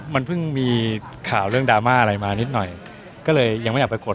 มันเพิ่งมีข่าวเรื่องดามาลัยประนอยก็เลยยังไม่อยากปรากฏ